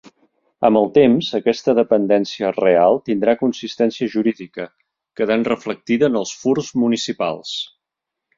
Amb el temps aquesta dependència real tindrà consistència jurídica, quedant reflectida en els furs municipals.